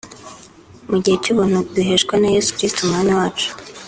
mu gihe cy’ubuntu duheshwa na Yesu Kristo Umwami wacu